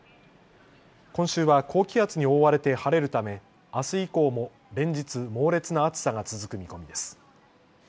今週は高気圧に覆われて晴れるため、あす以降も連日、猛烈な暑さが続く見込みです。